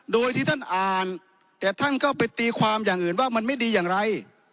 โดยที่ท่านอ่านแต่ท่านก็ไปตีความอย่างอื่นว่ามันไม่ดีอย่างไร